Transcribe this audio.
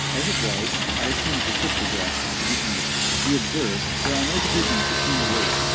As it was, I assumed the cryptograph to be English. "You observe there are no divisions between the words.